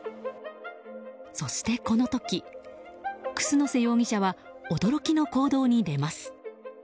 そして、この時、楠瀬容疑者は驚きの行動に出ます。